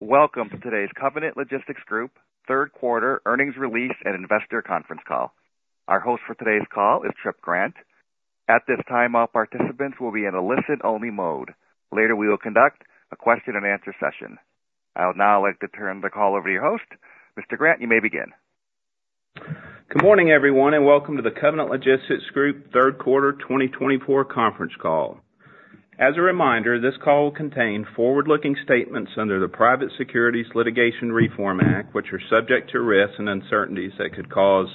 Welcome to today's Covenant Logistics Group Third Quarter Earnings Release and Investor Conference Call. Our host for today's call is Tripp Grant. At this time, all participants will be in a listen-only mode. Later, we will conduct a question and answer session. I would now like to turn the call over to your host. Mr. Grant, you may begin. Good morning, everyone, and welcome to the Covenant Logistics Group third quarter 2024 conference call. As a reminder, this call will contain forward-looking statements under the Private Securities Litigation Reform Act, which are subject to risks and uncertainties that could cause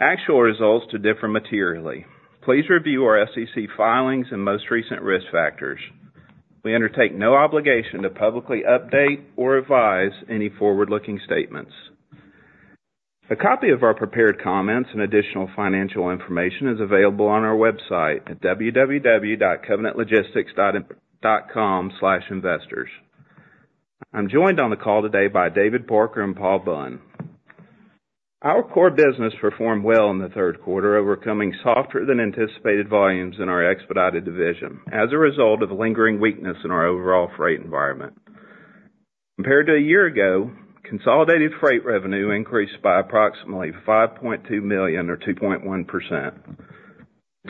actual results to differ materially. Please review our SEC filings and most recent risk factors. We undertake no obligation to publicly update or revise any forward-looking statements. A copy of our prepared comments and additional financial information is available on our website at www.covenantlogistics.com/investors. I'm joined on the call today by David Parker and Paul Bunn. Our core business performed well in the third quarter, overcoming softer-than-anticipated volumes in our expedited division as a result of a lingering weakness in our overall freight environment. Compared to a year ago, consolidated freight revenue increased by approximately $5.2 million, or 2.1%.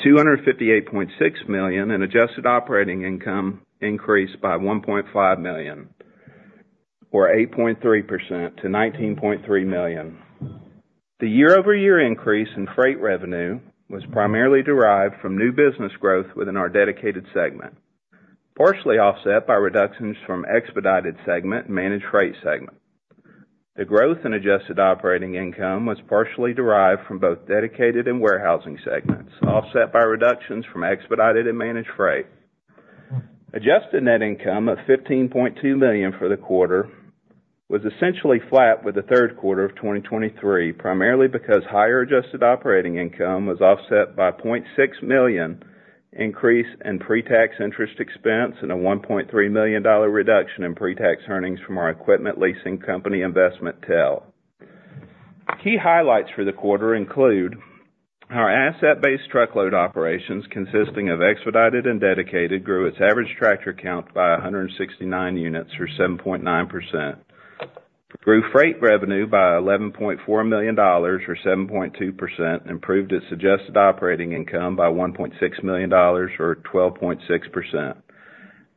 $258.6 million in an adjusted operating income increased by $1.5 million, or 8.3%, to $19.3 million. The year-over-year increase in freight revenue was primarily derived from new business growth within our dedicated segment, partially offset by reductions from expedited segment and managed freight segment. The growth in adjusted operating income was partially derived from both dedicated and warehousing segments, offset by reductions from expedited and managed freight. Adjusted net income of $15.2 million for the quarter was essentially flat with the third quarter of 2023, primarily because higher adjusted operating income was offset by a $0.6 million increase in pre-tax interest expense and a $1.3 million reduction in pre-tax earnings from our equipment leasing company investment, TEL. Key highlights for the quarter include: Our asset-based truckload operations, consisting of expedited and dedicated, grew its average tractor count by 169 units, or 7.9%, grew freight revenue by $11.4 million, or 7.2%, and improved its adjusted operating income by $1.6 million, or 12.6%.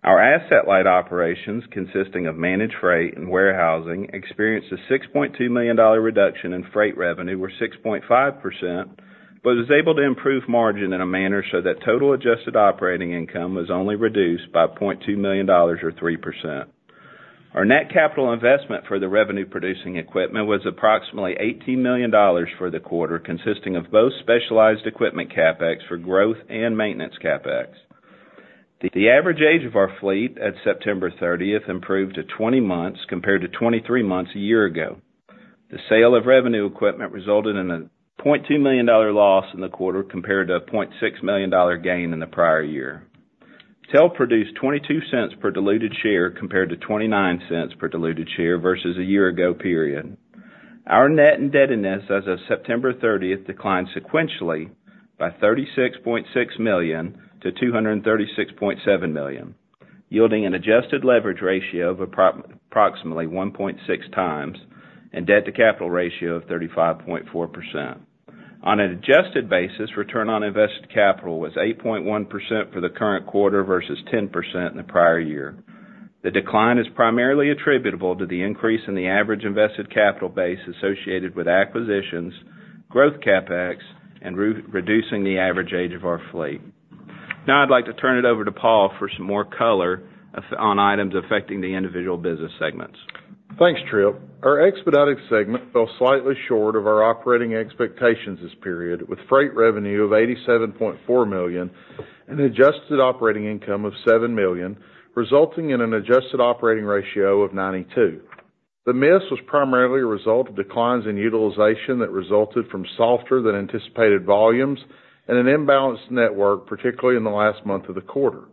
Our asset-light operations, consisting of managed freight and warehousing, experienced a $6.2 million reduction in freight revenue, or 6.5%, but was able to improve margin in a manner so that total adjusted operating income was only reduced by $0.2 million or 3%. Our net capital investment for the revenue-producing equipment was approximately $18 million for the quarter, consisting of both specialized equipment CapEx for growth and maintenance CapEx. The average age of our fleet at September thirtieth improved to 20 months, compared to 23 months a year ago. The sale of revenue equipment resulted in a $0.2 million loss in the quarter, compared to a $0.6 million gain in the prior year. TEL produced $0.22 per diluted share, compared to $0.29 per diluted share versus a year ago period. Our net indebtedness as of September thirtieth declined sequentially by $36.6 million to $236.7 million, yielding an adjusted leverage ratio of approximately 1.6x and debt-to-capital ratio of 35.4%. On an adjusted basis, return on invested capital was 8.1% for the current quarter versus 10% in the prior year. The decline is primarily attributable to the increase in the average invested capital base associated with acquisitions, growth CapEx, and re-reducing the average age of our fleet. Now I'd like to turn it over to Paul for some more color on items affecting the individual business segments. Thanks, Tripp. Our expedited segment fell slightly short of our operating expectations this period, with freight revenue of $87.4 million and adjusted operating income of $7 million, resulting in an adjusted operating ratio of 92%. The miss was primarily a result of declines in utilization that resulted from softer-than-anticipated volumes and an imbalanced network, particularly in the last month of the quarter.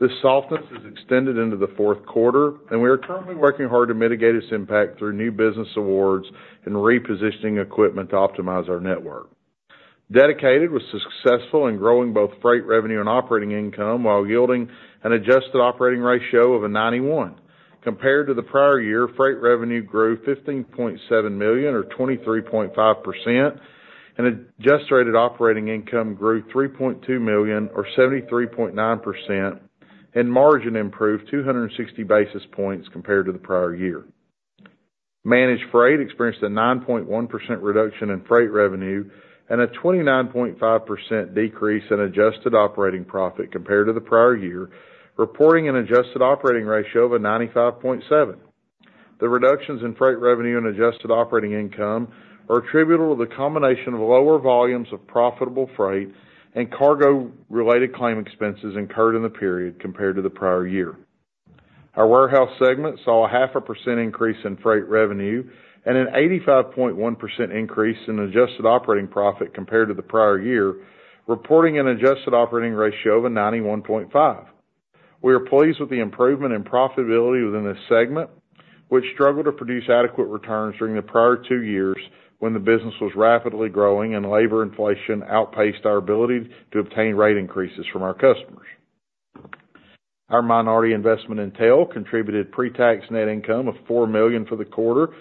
This softness has extended into the fourth quarter, and we are currently working hard to mitigate its impact through new business awards and repositioning equipment to optimize our network. Dedicated was successful in growing both freight revenue and operating income while yielding an adjusted operating ratio of 91%. Compared to the prior year, freight revenue grew $15.7 million, or 23.5%, and adjusted operating income grew $3.2 million, or 73.9%, and margin improved 260 basis points compared to the prior year. Managed Freight experienced a 9.1% reduction in freight revenue and a 29.5% decrease in adjusted operating profit compared to the prior year, reporting an adjusted operating ratio of 95.7%. The reductions in freight revenue and adjusted operating income are attributable to the combination of lower volumes of profitable freight and cargo-related claim expenses incurred in the period compared to the prior year. Our Warehousing segment saw a 0.5% increase in freight revenue and an 85.1% increase in adjusted operating profit compared to the prior year, reporting an adjusted operating ratio of 91.5%. We are pleased with the improvement in profitability within this segment, which struggled to produce adequate returns during the prior two years when the business was rapidly growing and labor inflation outpaced our ability to obtain rate increases from our customers. Our minority investment in TEL contributed pretax net income of $4 million for the quarter,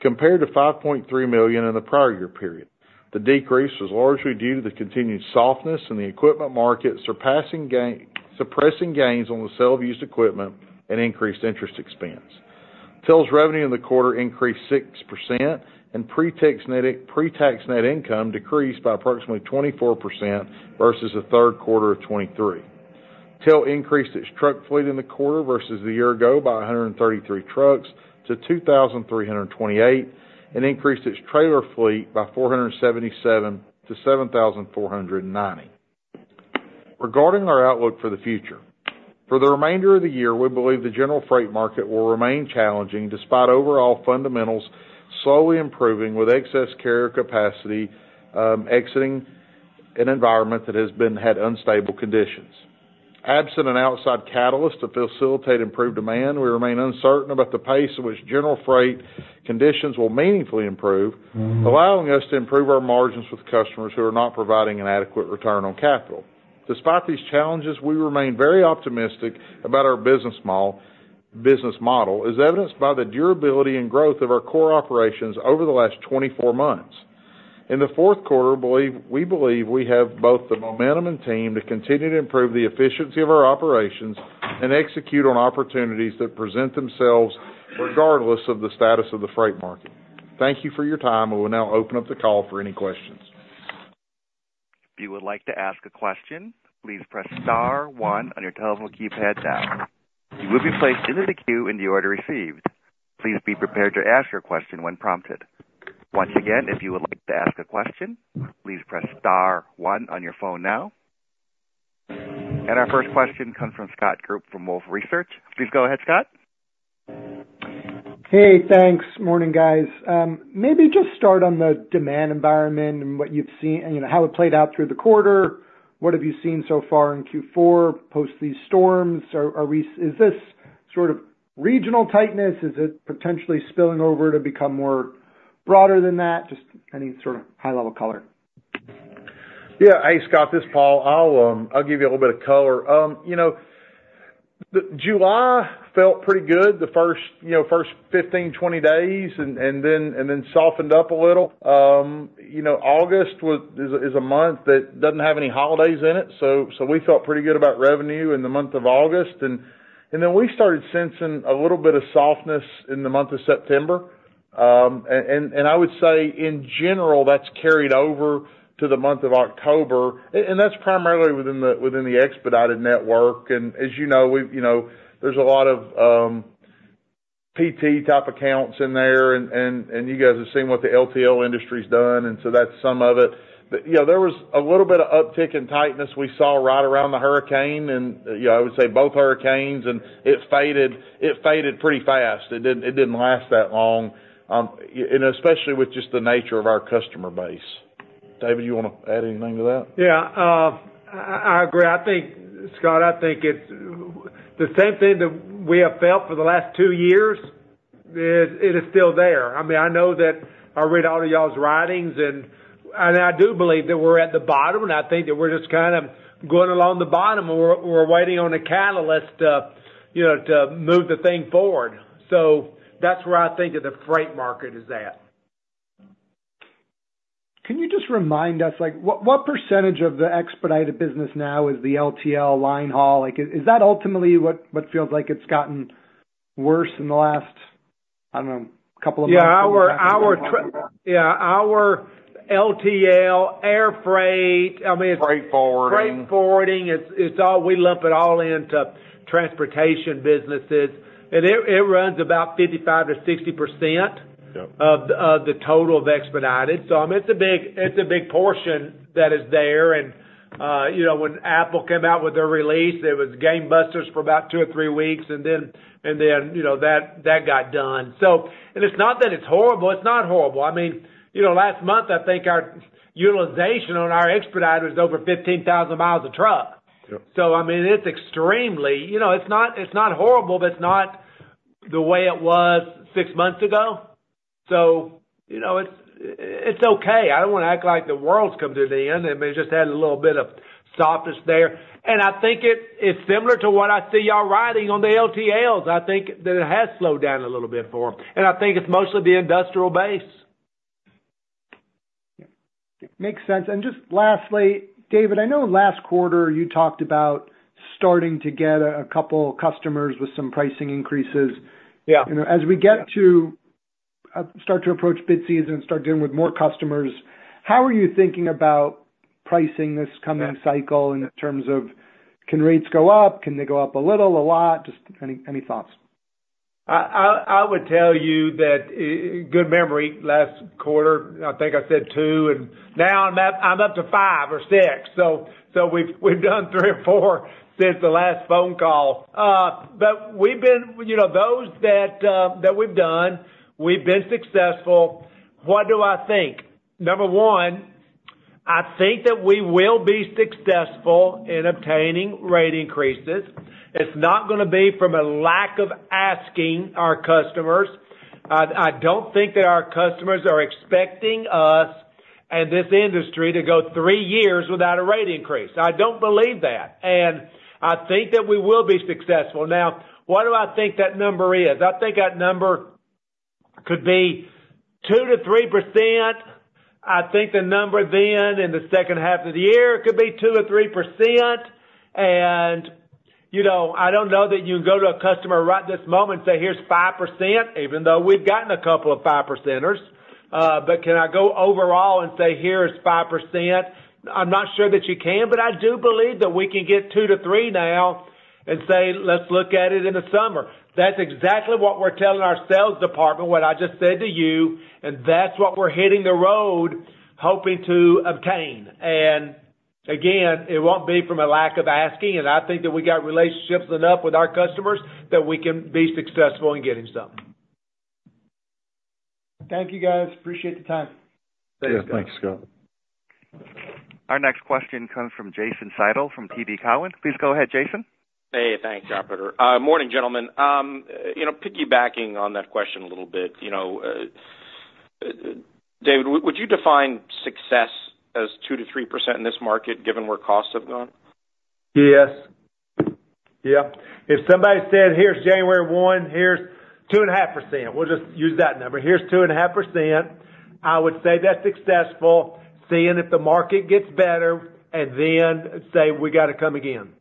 compared to $5.3 million in the prior year period. The decrease was largely due to the continued softness in the equipment market, suppressing gains on the sale of used equipment and increased interest expense. TEL's revenue in the quarter increased 6%, and pretax net income decreased by approximately 24% versus the third quarter of 2023. TEL increased its truck fleet in the quarter versus the year ago by 133 trucks to 2,328, and increased its trailer fleet by 477 to 7,490. Regarding our outlook for the future, for the remainder of the year, we believe the general freight market will remain challenging, despite overall fundamentals slowly improving, with excess carrier capacity exiting an environment that had unstable conditions. Absent an outside catalyst to facilitate improved demand, we remain uncertain about the pace in which general freight conditions will meaningfully improve, allowing us to improve our margins with customers who are not providing an adequate return on capital. Despite these challenges, we remain very optimistic about our business model, as evidenced by the durability and growth of our core operations over the last 24 months. In the fourth quarter, we believe we have both the momentum and team to continue to improve the efficiency of our operations and execute on opportunities that present themselves, regardless of the status of the freight market. Thank you for your time. We will now open up the call for any questions. If you would like to ask a question, please press star one on your telephone keypad now. You will be placed into the queue in the order received. Please be prepared to ask your question when prompted. Once again, if you would like to ask a question, please press star one on your phone now. And our first question comes from Scott Group, from Wolfe Research. Please go ahead, Scott. Hey, thanks. Morning, guys. Maybe just start on the demand environment and what you've seen, and, you know, how it played out through the quarter. What have you seen so far in Q4 post these storms? Is this sort of regional tightness? Is it potentially spilling over to become more broader than that? Just any sort of high-level color. Yeah. Hey, Scott, this is Paul. I'll give you a little bit of color. You know, the July felt pretty good, the first 15, 20 days, and then softened up a little. You know, August is a month that doesn't have any holidays in it, so we felt pretty good about revenue in the month of August. And then we started sensing a little bit of softness in the month of September. And I would say, in general, that's carried over to the month of October. And that's primarily within the expedited network. And as you know, we, you know, there's a lot of PT-type accounts in there, and you guys have seen what the LTL industry's done, and so that's some of it. But, you know, there was a little bit of uptick in tightness we saw right around the hurricane and, you know, I would say both hurricanes, and it faded, it faded pretty fast. It didn't, it didn't last that long, and especially with just the nature of our customer base. David, you want to add anything to that? Yeah, I agree. I think, Scott, it's the same thing that we have felt for the last two years. It is still there. I mean, I know that I read all of y'all's writings, and I do believe that we're at the bottom, and I think that we're just kind of going along the bottom, and we're waiting on a catalyst to, you know, to move the thing forward. So that's where I think that the freight market is at. Can you just remind us, like, what percentage of the expedited business now is the LTL line haul? Like, is that ultimately what feels like it's gotten worse in the last, I don't know, couple of months? Yeah, our LTL, air freight, I mean-- Freight forwarding. Freight forwarding, it's all we lump it all into transportation businesses. And it runs about 55%-60%. Of the total of expedited. So, I mean, it's a big portion that is there. And you know, when Apple came out with their release, it was gangbusters for about two or three weeks, and then you know, that got done. And it's not that it's horrible. It's not horrible. I mean, you know, last month, I think our utilization on our expedited was over 15,000 miles a truck. So, I mean, it's extremely--you know, it's not, it's not horrible, but it's not the way it was six months ago. So, you know, it's okay. I don't want to act like the world's coming to an end, and we just had a little bit of softness there. And I think it's similar to what I see y'all writing on the LTLs. I think that it has slowed down a little bit for them, and I think it's mostly the industrial base. Makes sense. And just lastly, David, I know last quarter you talked about starting to get a couple customers with some pricing increases. You know, as we get to start to approach bid season and start dealing with more customers, how are you thinking about pricing this coming cycle in terms of, can rates go up? Can they go up a little, a lot? Just any thoughts. I would tell you that. Good memory. Last quarter, I think I said two, and now I'm up to 5% or 6%. So we've done three or four since the last phone call. You know, those that we've done, we've been successful. What do I think? Number one, I think that we will be successful in obtaining rate increases. It's not gonna be from a lack of asking our customers. I don't think that our customers are expecting us and this industry to go three years without a rate increase. I don't believe that, and I think that we will be successful. Now, what do I think that number is? I think that number could be 2% to 3%. I think the number then in the second half of the year could be 2%-3%. And, you know, I don't know that you can go to a customer right this moment and say, "Here's 5%," even though we've gotten a couple of 5%ers. But can I go overall and say, "Here's 5%"? I'm not sure that you can, but I do believe that we can get 2%-3% now and say, "Let's look at it in the summer." That's exactly what we're telling our sales department, what I just said to you, and that's what we're hitting the road hoping to obtain. And again, it won't be from a lack of asking, and I think that we got relationships enough with our customers that we can be successful in getting something. Thank you, guys. Appreciate the time. Thanks. Yeah, thanks, Scott. Our next question comes from Jason Seidl from TD Cowen. Please go ahead, Jason. Hey, thanks, operator. Morning, gentlemen. You know, piggybacking on that question a little bit, you know, David, would you define success as 2%-3% in this market, given where costs have gone? Yeah. If somebody said, "Here's January one, here's 2.5%," we'll just use that number. Here's 2.5%. I would say that's successful, seeing if the market gets better, and then say, "We got to come again.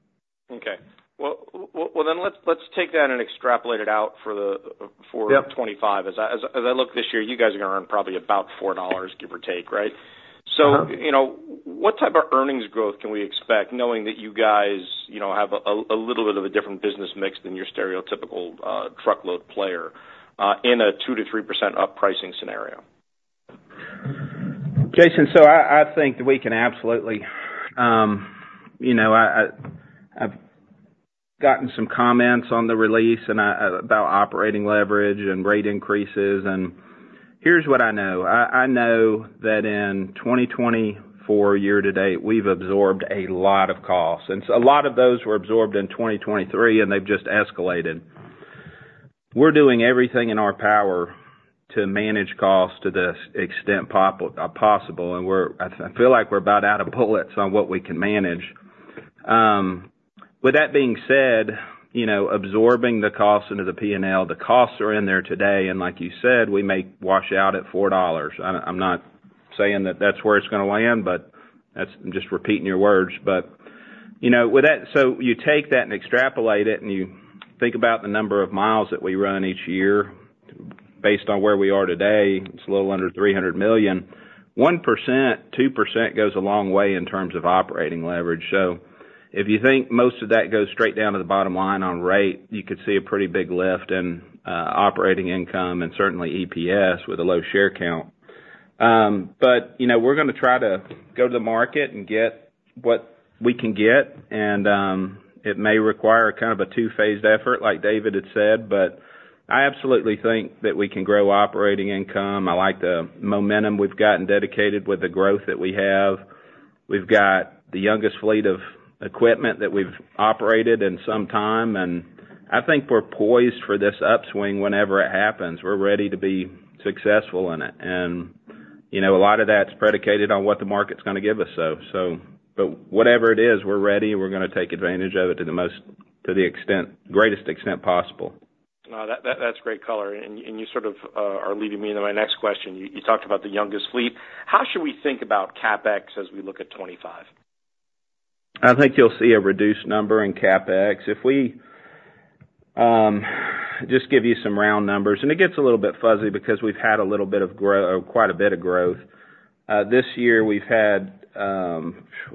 Okay. Well, well, well, then let's take that and extrapolate it out for the for 2025. As I look this year, you guys are gonna earn probably about $4, give or take, right? So, you know, what type of earnings growth can we expect, knowing that you guys, you know, have a little bit of a different business mix than your stereotypical truckload player in a 2%-3% up pricing scenario? Jason, so I think that we can absolutely. You know, I've gotten some comments on the release and about operating leverage and rate increases, and here's what I know. I know that in 2024, year to date, we've absorbed a lot of costs, and a lot of those were absorbed in 2023, and they've just escalated. We're doing everything in our power to manage costs to the extent possible, and we're. I feel like we're about out of bullets on what we can manage. With that being said, you know, absorbing the costs into the P&L, the costs are in there today, and like you said, we may wash out at $4. I'm not saying that that's where it's gonna land, but that's. I'm just repeating your words. But, you know, with that, so you take that and extrapolate it, and you think about the number of miles that we run each year. Based on where we are today, it's a little under $300 million. 1%, 2% goes a long way in terms of operating leverage. So if you think most of that goes straight down to the bottom line on rate, you could see a pretty big lift in, operating income and certainly EPS with a low share count. But, you know, we're gonna try to go to the market and get what we can get, and, it may require kind of a two-phased effort, like David had said, but I absolutely think that we can grow operating income. I like the momentum we've gotten dedicated with the growth that we have. We've got the youngest fleet of equipment that we've operated in some time, and I think we're poised for this upswing whenever it happens. We're ready to be successful in it. And, you know, a lot of that's predicated on what the market's gonna give us, though. So but whatever it is, we're ready, and we're gonna take advantage of it to the greatest extent possible. No, that's great color, and you sort of are leading me into my next question. You talked about the youngest fleet. How should we think about CapEx as we look at 2025? I think you'll see a reduced number in CapEx. If we just give you some round numbers, and it gets a little bit fuzzy because we've had a little bit of growth. This year, we've had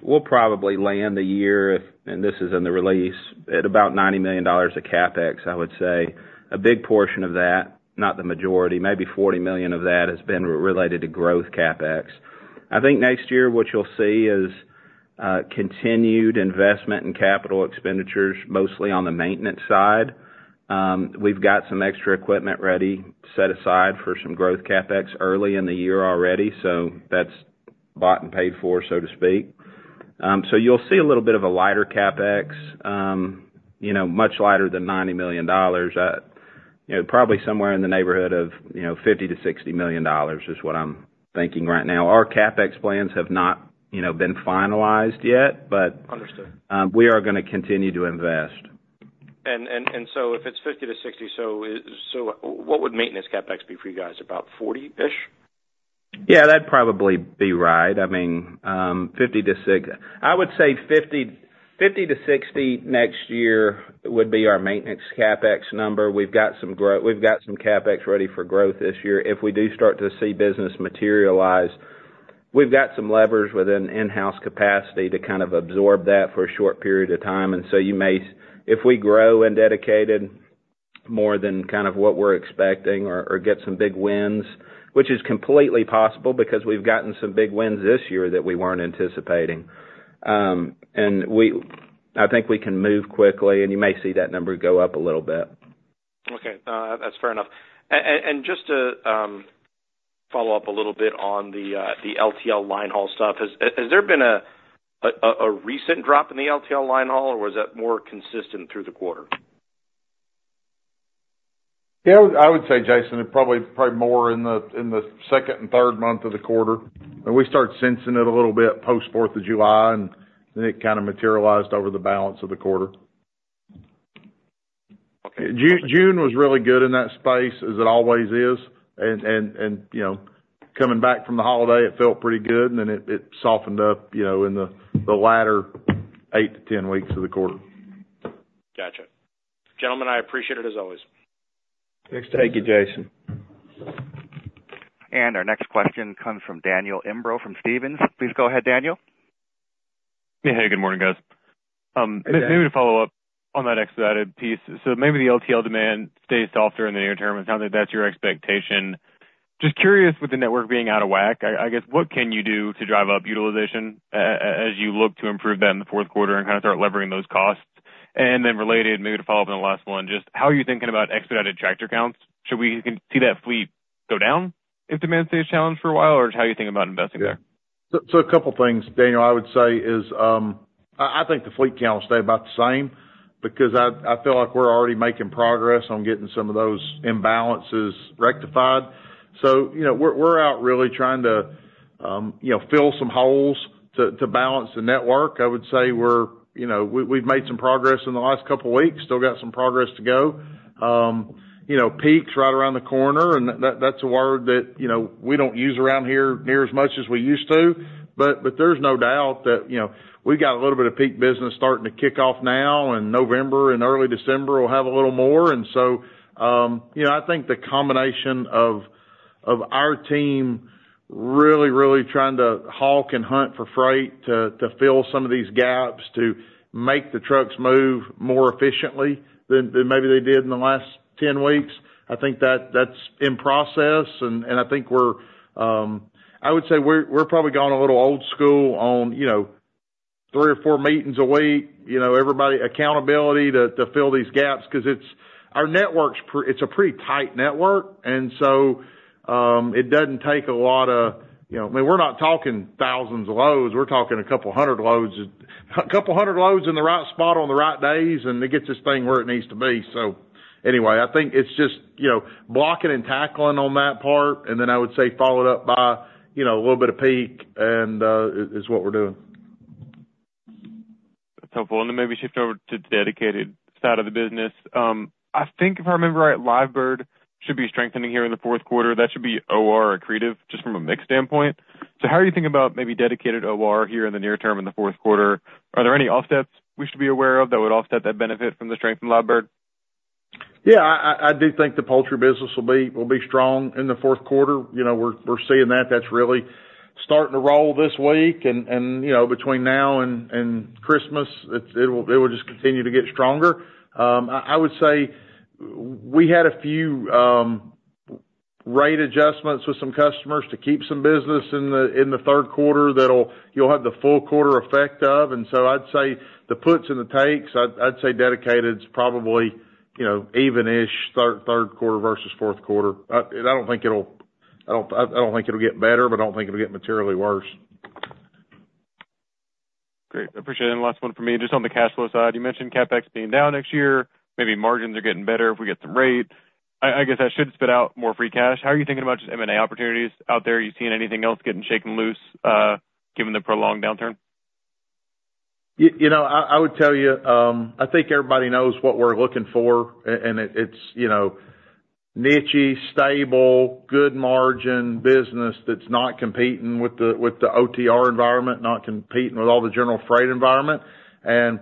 we'll probably land the year, and this is in the release, at about $90 million of CapEx, I would say. A big portion of that, not the majority, maybe $40 million of that has been related to growth CapEx. I think next year, what you'll see is continued investment in capital expenditures, mostly on the maintenance side. We've got some extra equipment ready, set aside for some growth CapEx early in the year already, so that's bought and paid for, so to speak. So you'll see a little bit of a lighter CapEx, you know, much lighter than $90 million. You know, probably somewhere in the neighborhood of $50 million-$60 million is what I'm thinking right now. Our CapEx plans have not, you know, been finalized yet, but-- Understood. We are gonna continue to invest. If it's $50 million to $60 million, what would maintenance CapEx be for you guys, about $40 million-ish? Yeah, that'd probably be right. I mean, I would say $50 million to $60 million next year would be our maintenance CapEx number. We've got some CapEx ready for growth this year. If we do start to see business materialize, we've got some levers with an in-house capacity to kind of absorb that for a short period of time. And so you may, If we grow in Dedicated more than kind of what we're expecting or get some big wins, which is completely possible because we've gotten some big wins this year that we weren't anticipating, and I think we can move quickly, and you may see that number go up a little bit. Okay, that's fair enough. And just to follow up a little bit on the LTL linehaul stuff, has there been a recent drop in the LTL linehaul, or was that more consistent through the quarter? Yeah, I would say, Jason, it probably more in the second and third month of the quarter. And we started sensing it a little bit post 4th of July, and then it kind of materialized over the balance of the quarter. June was really good in that space, as it always is, and you know, coming back from the holiday, it felt pretty good, and then it softened up, you know, in the latter 8 to 10 weeks of the quarter. Got it. Gentlemen, I appreciate it, as always. Thanks, Jason. Thank you, Jason. And our next question comes from Daniel Imbro from Stephens. Please go ahead, Daniel. Yeah. Hey, good morning, guys. Maybe to follow up on that expedited piece. So maybe the LTL demand stays soft during the near term, and it sounds like that's your expectation. Just curious, with the network being out of whack, I guess, what can you do to drive up utilization as you look to improve that in the fourth quarter and kind of start levering those costs? And then related, maybe to follow up on the last one, just how are you thinking about expedited tractor counts? Should we see that fleet go down if demand stays challenged for a while, or how are you thinking about investing there? Yeah. So a couple things, Daniel, I would say is, I think the fleet count will stay about the same because I feel like we're already making progress on getting some of those imbalances rectified. So, you know, we're out really trying to, you know, fill some holes to balance the network. I would say we're, you know, we've made some progress in the last couple weeks, still got some progress to go. You know, peak's right around the corner, and that's a word that, you know, we don't use around here near as much as we used to. But there's no doubt that, you know, we've got a little bit of peak business starting to kick off now, in November and early December, we'll have a little more. And so, you know, I think the combination of our team really, really trying to hawk and hunt for freight to fill some of these gaps, to make the trucks move more efficiently than maybe they did in the last ten weeks, I think that's in process. And I think we're. I would say we're probably going a little old school on, you know, three or four meetings a week, you know, everybody, accountability to fill these gaps, 'cause it's our network's pretty tight network, and so, it doesn't take a lot of, you know. I mean, we're not talking thousands of loads, we're talking a couple hundred loads, a couple hundred loads in the right spot on the right days, and it gets this thing where it needs to be. So anyway, I think it's just, you know, blocking and tackling on that part, and then I would say followed up by, you know, a little bit of peak and is what we're doing. That's helpful. And then maybe shift over to the dedicated side of the business. I think if I remember right, live bird should be strengthening here in the fourth quarter. That should be OR accretive, just from a mix standpoint. So how are you thinking about maybe dedicated OR here in the near term, in the fourth quarter? Are there any offsets we should be aware of that would offset that benefit from the strength in live bird? Yeah, I do think the poultry business will be strong in the fourth quarter. You know, we're seeing that. That's really starting to roll this week. And you know, between now and Christmas, it will just continue to get stronger. I would say we had a few rate adjustments with some customers to keep some business in the third quarter that'll you'll have the full quarter effect of. And so I'd say the puts and the takes, I'd say dedicated's probably, you know, even-ish, third quarter versus fourth quarter. And I don't think it'll get better, but I don't think it'll get materially worse. Great, appreciate it, and last one from me, just on the cash flow side. You mentioned CapEx being down next year, maybe margins are getting better if we get some rate. I, I guess that should spit out more free cash. How are you thinking about M&A opportunities out there? Are you seeing anything else getting shaken loose, given the prolonged downturn? You know, I would tell you, I think everybody knows what we're looking for, and it is, you know, niche-y, stable, good margin business that's not competing with the OTR environment, not competing with all the general freight environment, and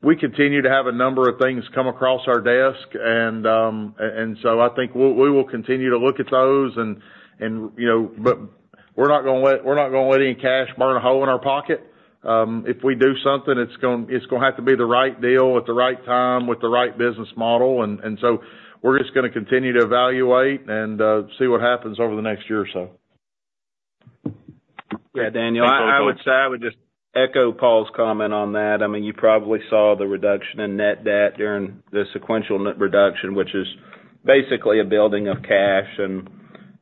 we continue to have a number of things come across our desk, and so I think we will continue to look at those, and you know, but we're not gonna let, we're not gonna let any cash burn a hole in our pocket. If we do something, it's gonna, it's gonna have to be the right deal at the right time with the right business model, and so we're just gonna continue to evaluate and see what happens over the next year or so. Yeah, Daniel, I would say I would just echo Paul's comment on that. I mean, you probably saw the reduction in net debt during the sequential net reduction, which is basically a building of cash. And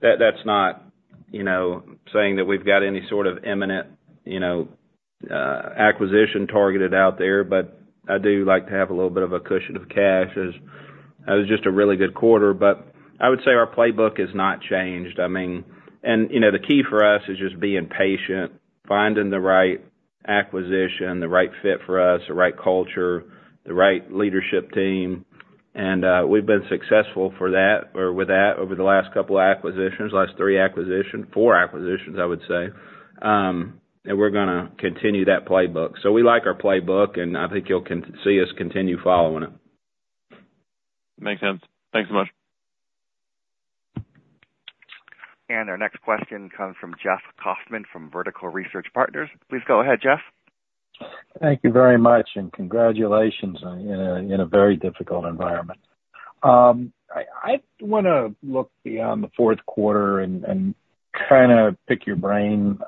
that, that's not, you know, saying that we've got any sort of imminent, you know, acquisition targeted out there, but I do like to have a little bit of a cushion of cash, as that was just a really good quarter. But I would say our playbook has not changed. I mean. And, you know, the key for us is just being patient, finding the right acquisition, the right fit for us, the right culture, the right leadership team. And, we've been successful for that or with that over the last couple of acquisitions, last three acquisitions, four acquisitions, I would say. And we're gonna continue that playbook. So we like our playbook, and I think you'll see us continue following it. Makes sense. Thanks so much. Our next question comes from Jeff Kauffman from Vertical Research Partners. Please go ahead, Jeff. Thank you very much, and congratulations on in a very difficult environment. I want to look beyond the fourth quarter and kind of pick your brain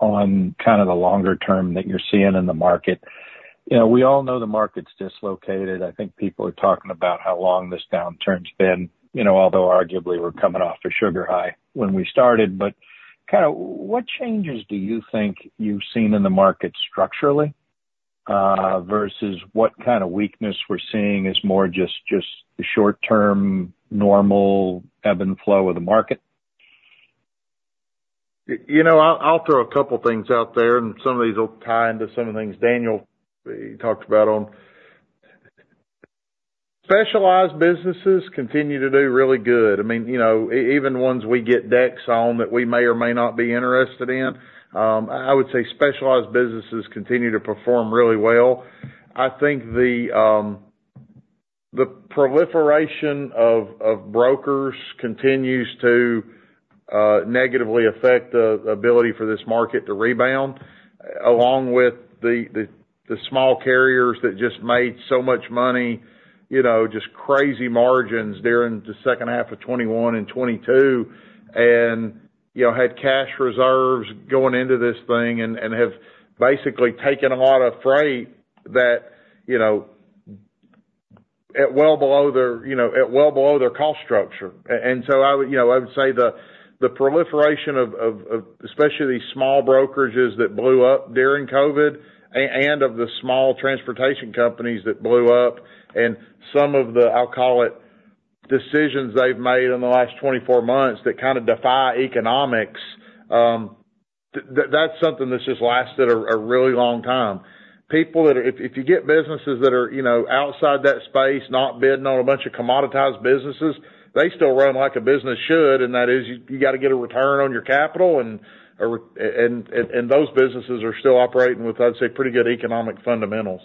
on kind of the longer term that you're seeing in the market. You know, we all know the market's dislocated. I think people are talking about how long this downturn's been, you know, although arguably, we're coming off a sugar high when we started. But kind of what changes do you think you've seen in the market structurally? Versus what kind of weakness we're seeing is more just the short term, normal ebb and flow of the market? You know, I'll throw a couple things out there, and some of these will tie into some of the things Daniel talked about on. Specialized businesses continue to do really good. I mean, you know, even ones we get decks on that we may or may not be interested in. I would say specialized businesses continue to perform really well. I think the proliferation of brokers continues to negatively affect the ability for this market to rebound, along with the small carriers that just made so much money, you know, just crazy margins during the second half of 2021 and 2022, and, you know, had cash reserves going into this thing and have basically taken a lot of freight that, you know, at well below their cost structure. And so I would, you know, I would say the proliferation of especially these small brokerages that blew up during COVID, and of the small transportation companies that blew up, and some of the, I'll call it, decisions they've made in the last twenty-four months that kind of defy economics. That's something that's just lasted a really long time. People that, If you get businesses that are, you know, outside that space, not bidding on a bunch of commoditized businesses, they still run like a business should, and that is you got to get a return on your capital and those businesses are still operating with, I'd say, pretty good economic fundamentals.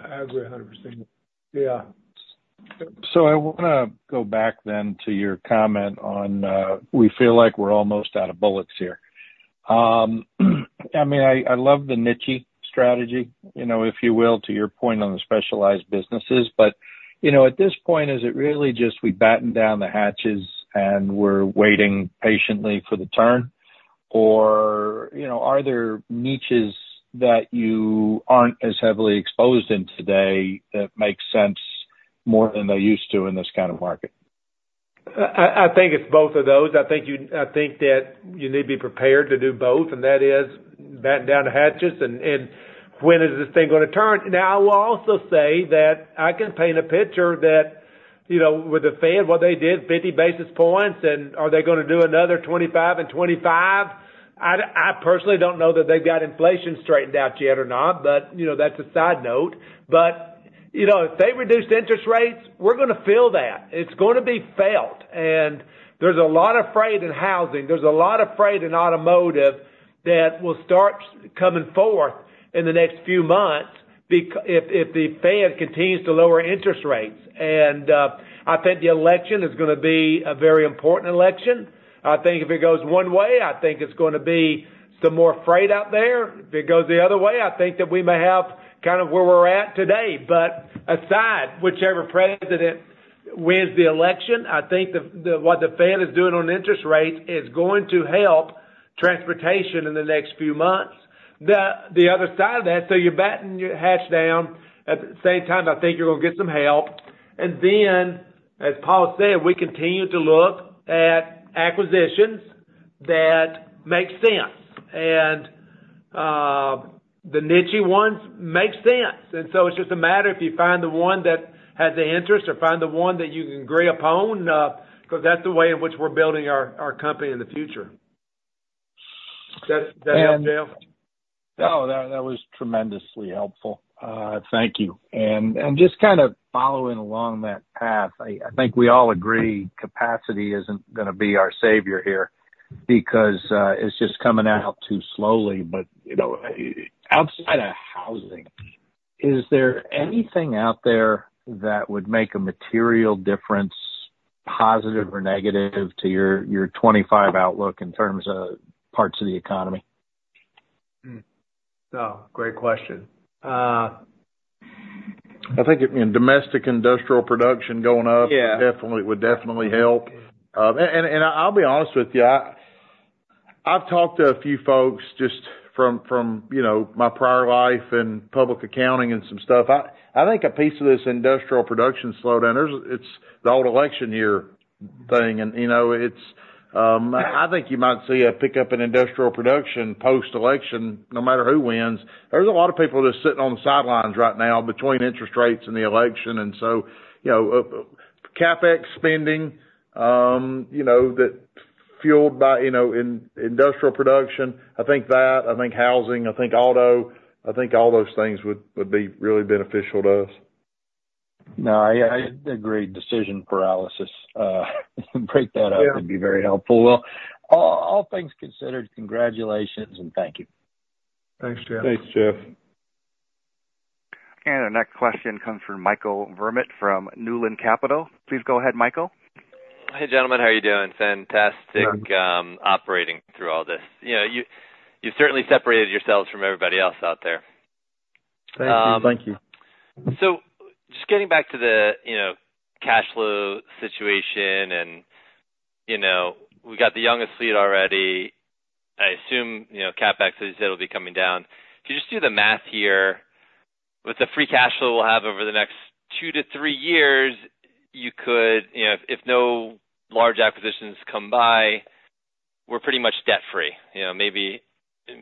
I agree 100%. Yeah. I wanna go back then to your comment on, we feel like we're almost out of bullets here. I mean, I love the niche strategy, you know, if you will, to your point on the specialized businesses. But, you know, at this point, is it really just we batten down the hatches and we're waiting patiently for the turn? Or, you know, are there niches that you aren't as heavily exposed in today that make sense more than they used to in this kind of market? I think it's both of those. I think that you need to be prepared to do both, and that is batten down the hatches, and when is this thing gonna turn? Now, I will also say that I can paint a picture that, you know, with the Fed, what they did, 50 basis points, and are they gonna do another 25 and 25? I personally don't know that they've got inflation straightened out yet or not, but, you know, that's a side note. but, you know, if they reduce interest rates, we're gonna feel that. It's gonna be felt, and there's a lot of freight in housing, there's a lot of freight in automotive that will start coming forward in the next few months because if the Fed continues to lower interest rates. I think the election is gonna be a very important election. I think if it goes one way, I think it's gonna be some more freight out there. If it goes the other way, I think that we may have kind of where we're at today. But aside, whichever President wins the election, I think the what the Fed is doing on interest rates is going to help transportation in the next few months. The other side of that, so you're batten down the hatches, at the same time, I think you're gonna get some help. And then, as Paul said, we continue to look at acquisitions that make sense, and the niche ones make sense. And so it's just a matter of if you find the one that has the interest or find the one that you can agree upon, because that's the way in which we're building our company in the future. Does that help, Jeff? No, that was tremendously helpful. Thank you, and just kind of following along that path, I think we all agree capacity isn't gonna be our savior here because it's just coming out too slowly, but you know, outside of housing, is there anything out there that would make a material difference, positive or negative, to your 2025 outlook in terms of parts of the economy? Oh, great question. I think, you know, domestic industrial production going up definitely, would definitely help. And I'll be honest with you, I've talked to a few folks just from, you know, my prior life in public accounting and some stuff. I think a piece of this industrial production slowdown, it's the old election year thing. And, you know, it's, I think you might see a pickup in industrial production post-election, no matter who wins. There's a lot of people just sitting on the sidelines right now between interest rates and the election. And so, you know, CapEx spending, you know, that's fueled by, you know, industrial production, I think that, I think housing, I think auto, I think all those things would be really beneficial to us. No, I agree. Decision paralysis, break that up would be very helpful. All things considered, congratulations and thank you. Thanks, Jeff. Thanks, Jeff. Our next question comes from Michael Vermut, from Newland Capital. Please go ahead, Michael. Hi, gentlemen. How are you doing? Fantastic operating through all this. You know, you certainly separated yourselves from everybody else out there. Thank you. So just getting back to the, you know, cash flow situation and, you know, we got the youngest fleet already. I assume, you know, CapEx, as you said, will be coming down. Could you just do the math here? With the free cash flow we'll have over the next two to three years, you could, you know, if no large acquisitions come by, we're pretty much debt free. You know, maybe,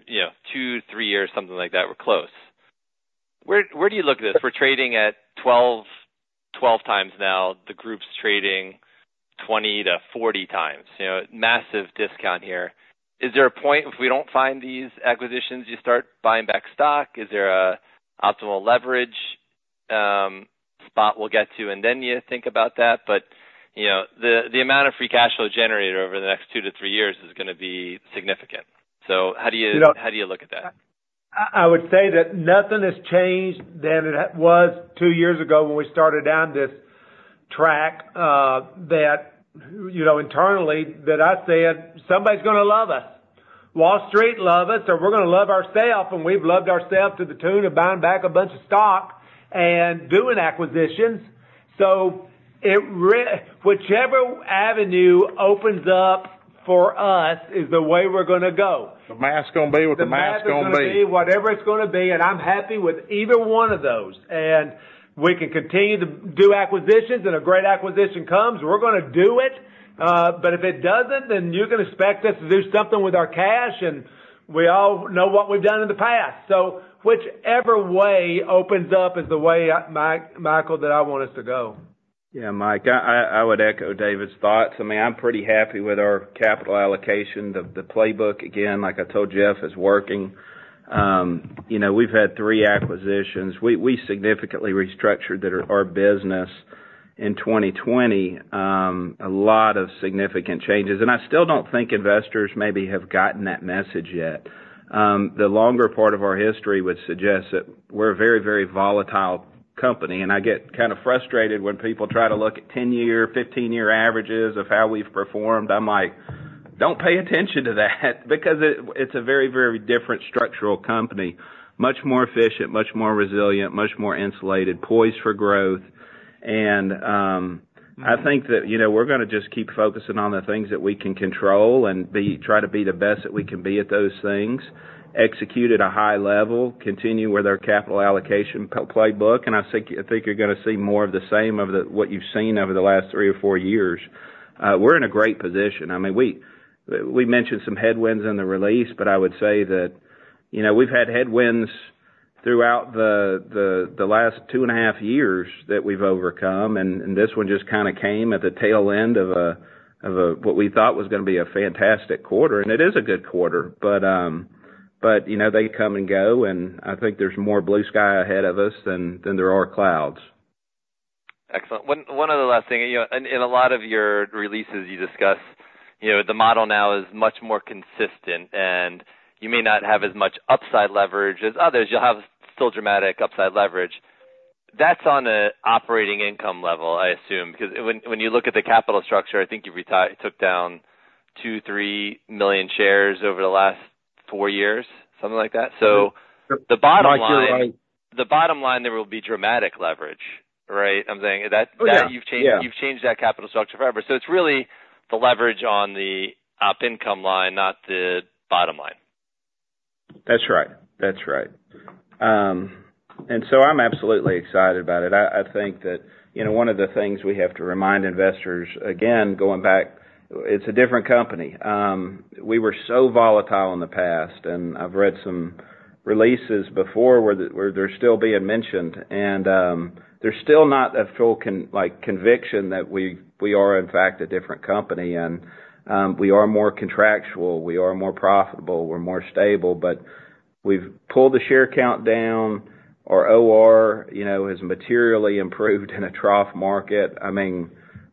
you know, two, three years, something like that, we're close. Where do you look at this? We're trading at 12x now. The group's trading 20x-40x, you know, massive discount here. Is there a point, if we don't find these acquisitions, you start buying back stock? Is there a optimal leverage spot we'll get to, and then you think about that? But, you know, the amount of free cash flow generated over the next two to three years is gonna be significant. So how do you-- You know-- How do you look at that? I would say that nothing has changed than it was two years ago when we started down this track, that, you know, internally, that I said, "Somebody's gonna love us." Wall Street love us, or we're gonna love ourselves, and we've loved ourselves to the tune of buying back a bunch of stock and doing acquisitions. Whichever avenue opens up for us is the way we're gonna go. The math's gonna be what the math's gonna be. The math is gonna be whatever it's gonna be, and I'm happy with either one of those. And we can continue to do acquisitions, and a great acquisition comes, we're gonna do it. But if it doesn't, then you can expect us to do something with our cash, and we all know what we've done in the past. So whichever way opens up is the way, I, Mike, Michael, that I want us to go. Yeah, Mike, I would echo David's thoughts. I mean, I'm pretty happy with our capital allocation. The playbook, again, like I told Jeff, is working. You know, we've had three acquisitions. We significantly restructured our business in 2020, a lot of significant changes, and I still don't think investors maybe have gotten that message yet. The longer part of our history would suggest that we're a very, very volatile company, and I get kind of frustrated when people try to look at 10-year, 15-year averages of how we've performed. I'm like, "Don't pay attention to that," because it, it's a very, very different structural company, much more efficient, much more resilient, much more insulated, poised for growth. I think that, you know, we're gonna just keep focusing on the things that we can control and try to be the best that we can be at those things, execute at a high level, continue with our capital allocation playbook, and I think you're gonna see more of the same of what you've seen over the last three or four years. We're in a great position. I mean, we mentioned some headwinds in the release, but I would say that, you know, we've had headwinds throughout the last two and a half years that we've overcome, and this one just kind of came at the TEL end of what we thought was gonna be a fantastic quarter, and it is a good quarter. But, you know, they come and go, and I think there's more blue sky ahead of us than there are clouds. Excellent. One other last thing, you know, and in a lot of your releases, you discuss, you know, the model now is much more consistent, and you may not have as much upside leverage as others. You'll have still dramatic upside leverage. That's on an operating income level, I assume, because when you look at the capital structure, I think you took down 2 million-3 million shares over the last four years, something like that? Yep. So the bottom line-- Mike, you're right. The bottom line, there will be dramatic leverage, right? I'm saying. You've changed- You've changed that capital structure forever. So it's really the leverage on the op income line, not the bottom line. That's right. And so I'm absolutely excited about it. I think that, you know, one of the things we have to remind investors, again, going back, it's a different company. We were so volatile in the past, and I've read some releases before where they're still being mentioned, and there's still not a full conviction that we are, in fact, a different company. And we are more contractual, we are more profitable, we're more stable, but we've pulled the share count down. Our OR, you know, has materially improved in a trough market. I mean,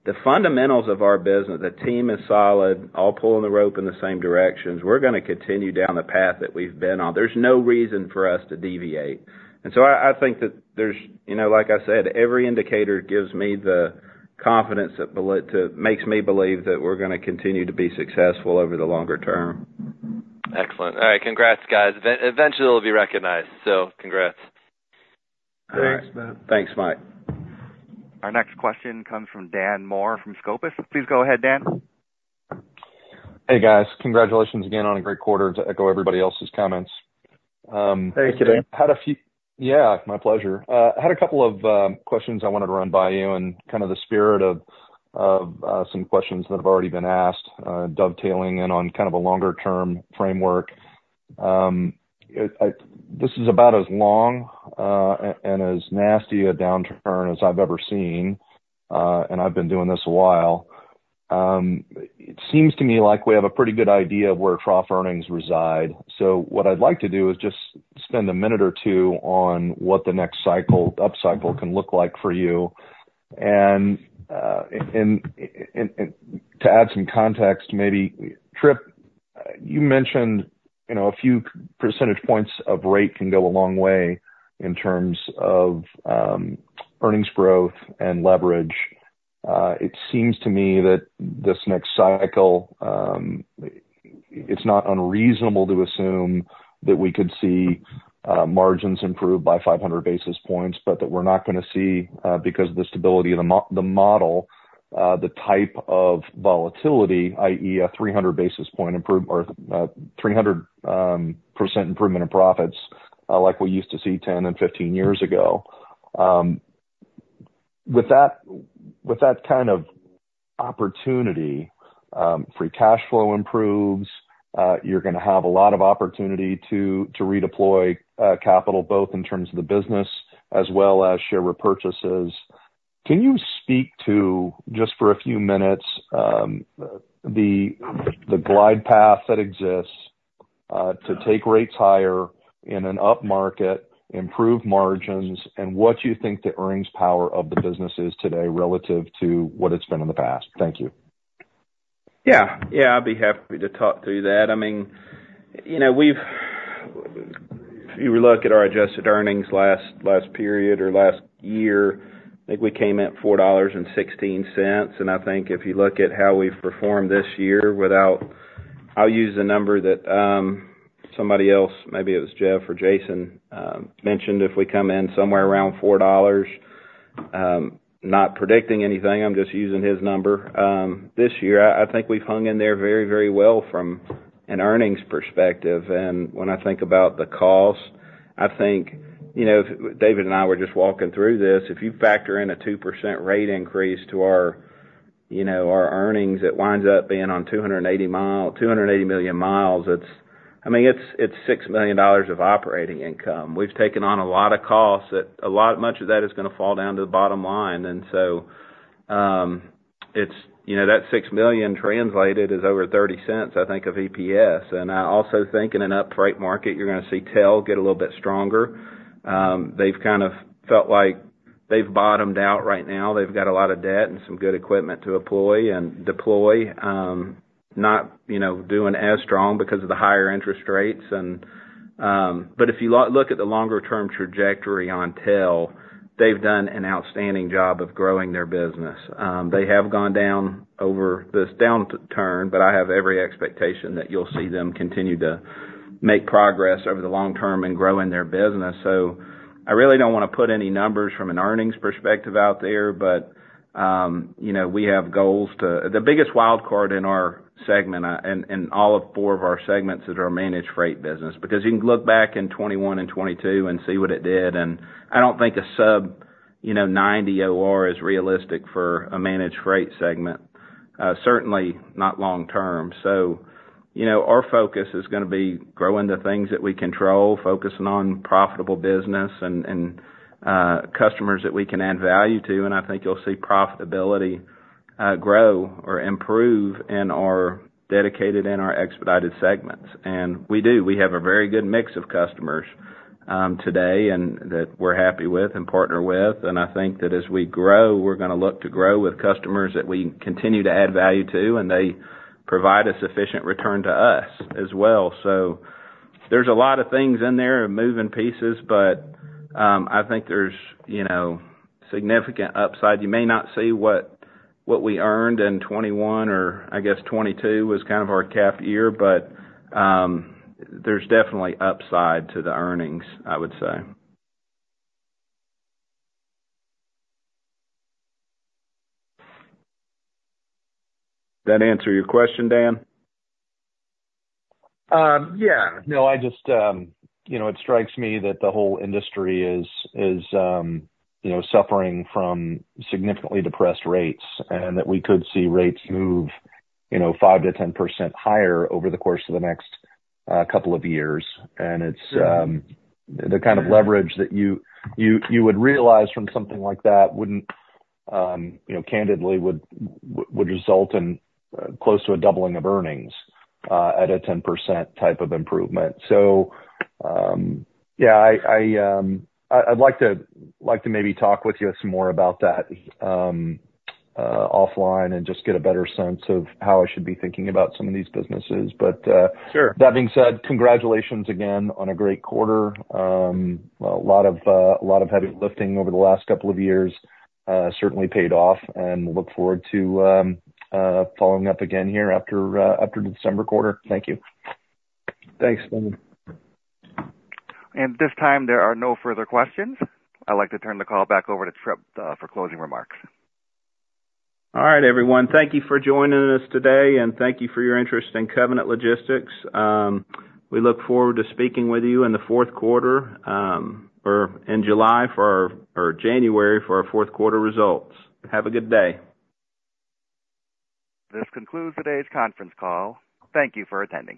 the fundamentals of our business, the team is solid, all pulling the rope in the same directions. We're gonna continue down the path that we've been on. There's no reason for us to deviate. And so I think that there's, you know, like I said, every indicator gives me the confidence that makes me believe that we're gonna continue to be successful over the longer term. Excellent. All right. Congrats, guys. Eventually, it'll be recognized, so congrats. Thanks, Matt. Thanks, Mike. Our next question comes from Dan Moore from Scopus. Please go ahead, Dan. Hey, guys. Congratulations again on a great quarter, to echo everybody else's comments. Thank you, Dan. Had a few--yeah, my pleasure. I had a couple of questions I wanted to run by you, and kind of the spirit of some questions that have already been asked, dovetailing in on kind of a longer term framework. This is about as long and as nasty a downturn as I've ever seen, and I've been doing this a while. It seems to me like we have a pretty good idea of where trough earnings reside. So what I'd like to do is just spend a minute or two on what the next cycle, upcycle can look like for you. And to add some context, maybe, Tripp, you mentioned, you know, a few percentage points of rate can go a long way in terms of earnings growth and leverage. It seems to me that this next cycle, it's not unreasonable to assume that we could see margins improve by 500 basis points, but that we're not gonna see, because of the stability of the model, the type of volatility, i.e., a 300 basis point improve or 300% improvement in profits, like we used to see 10 and 15 years ago. With that kind of opportunity, free cash flow improves, you're gonna have a lot of opportunity to redeploy capital, both in terms of the business as well as share repurchases. Can you speak to, just for a few minutes, the glide path that exists to take rates higher in an upmarket, improve margins, and what you think the earnings power of the business is today relative to what it's been in the past? Thank you. Yeah, I'd be happy to talk through that. I mean, you know, we've-- If you look at our adjusted earnings last period or last year, I think we came in at $4.16. And I think if you look at how we've performed this year without. I'll use the number that somebody else, maybe it was Jeff or Jason, mentioned, if we come in somewhere around $4, not predicting anything, I'm just using his number. This year, I think we've hung in there very, very well from an earnings perspective. And when I think about the cost, I think, you know, David and I were just walking through this. If you factor in a 2% rate increase to our, you know, our earnings, it winds up being on 280 million miles. I mean, it's $6 million of operating income. We've taken on a lot of costs that much of that is gonna fall down to the bottom line. And so, it's, you know, that $6 million translated is over $0.30, I think, of EPS. And I also think in an uprate market, you're gonna see TEL get a little bit stronger. They've kind of felt like they've bottomed out right now. They've got a lot of debt and some good equipment to employ and deploy. Not, you know, doing as strong because of the higher interest rates and. But if you look at the longer term trajectory on TEL, they've done an outstanding job of growing their business. They have gone down over this downturn, but I have every expectation that you'll see them continue to make progress over the long term in growing their business, so I really don't wanna put any numbers from an earnings perspective out there, but you know, we have goals to--the biggest wildcard in our segment, in all of four of our segments is our managed freight business, because you can look back in 2021 and 2022 and see what it did, and I don't think a sub 90 OR is realistic for a managed freight segment, certainly not long term, so you know, our focus is gonna be growing the things that we control, focusing on profitable business and customers that we can add value to. I think you'll see profitability grow or improve in our dedicated and our expedited segments. We do. We have a very good mix of customers today, and that we're happy with and partner with. I think that as we grow, we're gonna look to grow with customers that we continue to add value to, and they provide a sufficient return to us as well. So there's a lot of things in there and moving pieces, but I think there's, you know, significant upside. You may not see what we earned in 2021 or, I guess, 2022 was kind of our cap year, but there's definitely upside to the earnings, I would say. That answer your question, Dan? Yeah. No, I just, you know, it strikes me that the whole industry is, you know, suffering from significantly depressed rates, and that we could see rates move, you know, 5%-10% higher over the course of the next couple of years. And it's the kind of leverage that you would realize from something like that wouldn't, you know, candidly would result in close to a doubling of earnings at a 10% type of improvement. So, yeah, I I'd like to, like to maybe talk with you some more about that, offline and just get a better sense of how I should be thinking about some of these businesses. But, that being said, congratulations again on a great quarter. A lot of heavy lifting over the last couple of years certainly paid off, and we look forward to following up again here after the December quarter. Thank you. Thanks, Dan. This time, there are no further questions. I'd like to turn the call back over to Tripp for closing remarks. All right, everyone. Thank you for joining us today, and thank you for your interest in Covenant Logistics. We look forward to speaking with you in the fourth quarter, or in July for our--or January for our fourth quarter results. Have a good day. This concludes today's conference call. Thank you for attending.